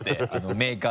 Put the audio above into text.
メーカーね。